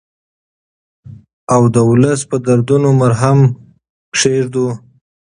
او د ولس په دردونو مرهم کېږدو.